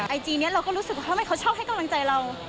ไอจีนี้เราก็รู้สึกว่าทำไมเขาชอบให้กำลังใจเรา